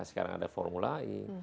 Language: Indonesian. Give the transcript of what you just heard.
sekarang ada formula e